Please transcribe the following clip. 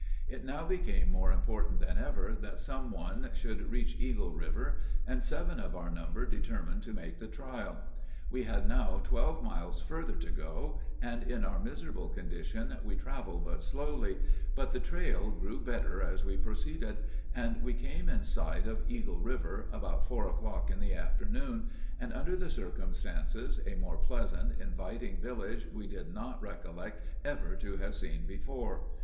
It now became more important than ever that some one should reach Eagle river, and seven of our number determined to make the trial. We had now twelve miles further to go, and in our miserable condition we traveled but slowly, but the trail grew better as we proceeded, and we came in sight of Eagle River about four o'clock in the afternoon, and under the circumstances, a more pleasant, inviting village we do not recollect ever to have seen before.